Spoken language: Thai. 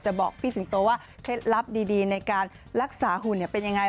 บอกพี่สิงโตว่าเคล็ดลับดีในการรักษาหุ่นเป็นยังไง